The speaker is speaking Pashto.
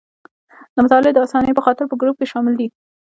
د مطالعې د اسانۍ په خاطر په ګروپ کې شامل دي.